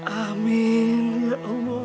amin ya allah